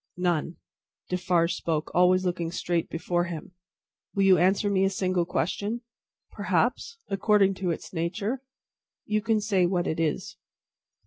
"None." Defarge spoke, always looking straight before him. "Will you answer me a single question?" "Perhaps. According to its nature. You can say what it is."